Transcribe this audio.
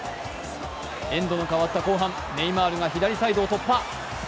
エンドの変わった後半、ネイマールが左サイドを突破。